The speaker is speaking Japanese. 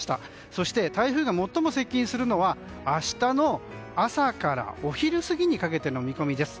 そして、台風が最も接近するのは明日の朝からお昼過ぎにかけての見込みです。